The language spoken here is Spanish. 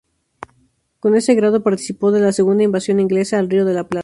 Con ese grado participó de la segunda invasión inglesa al Río de la Plata.